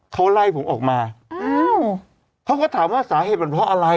เขาไล่ผมออกมาอ้าวเขาก็ถามว่าสาเหตุมันเพราะอะไร